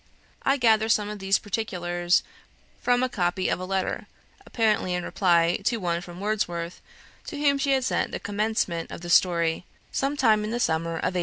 I gather some of these particulars from a copy of a letter, apparently in reply to one from Wordsworth, to whom she had sent the commencement of the story, sometime in the summer of 1840.